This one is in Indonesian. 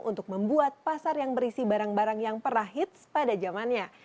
untuk membuat pasar yang berisi barang barang yang perah hits pada zamannya